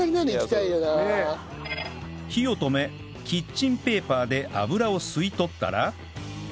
火を止めキッチンペーパーで油を吸い取ったら